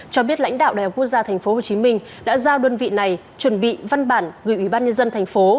cho biết lãnh đạo đại học quốc gia thành phố hồ chí minh đã giao đơn vị này chuẩn bị văn bản gửi ủy ban nhân dân thành phố